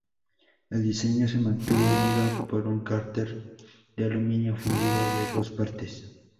El diseño se mantuvo unido por un cárter de aluminio fundido de dos partes.